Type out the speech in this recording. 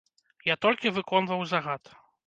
Я толькі выконваў загад.